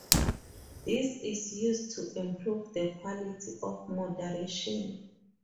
This is used to improve the quality of moderation.